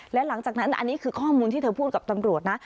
และหลังจากนั้นอันนี้คือข้อมูลที่เธอพูดกับตำรวจนะ